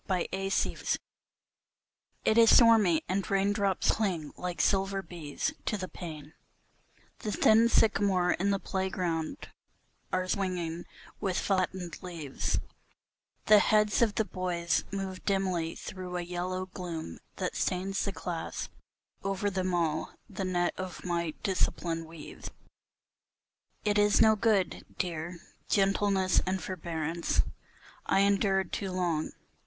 DISCIPLINE IT is stormy, and raindrops cling like silver bees to the pane, The thin sycamores in the playground are swinging with flattened leaves; The heads of the boys move dimly through a yellow gloom that stains The class; over them all the dark net of my discipline weaves. It is no good, dear, gentleness and forbearance, I endured too long.